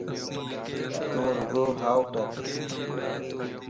تو رڳو ھائوڪَر